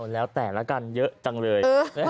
แล้วแต่ละกันเยอะจังเลย